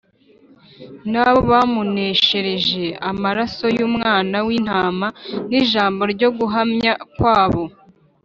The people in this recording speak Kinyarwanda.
Na bo bamuneshesheje amaraso y’Umwana w’Intama n’ijambo ryo guhamya kwabo,